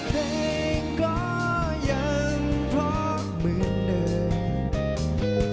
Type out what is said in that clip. เธอก็ยังพร้อมเหมือนเดิม